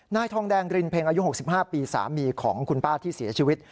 นายทองแดงรินเพ็งอายุ๖๕ปีสามีของคุณป้าที่เสียชีวิต